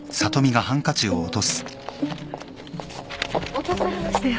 落とされましたよ。